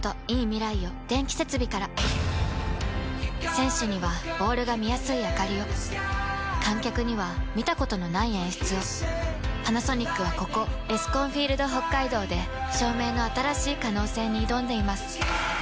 選手にはボールが見やすいあかりを観客には見たことのない演出をパナソニックはここエスコンフィールドＨＯＫＫＡＩＤＯで照明の新しい可能性に挑んでいます